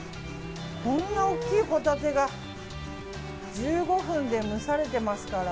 こんなに大きいホタテが１５分で蒸されてますから。